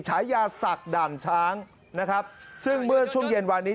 ฉายาศักดิ์ด่านช้างนะครับซึ่งเมื่อช่วงเย็นวานนี้